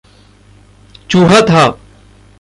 चूहा था।